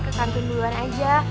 ke kantin duluan aja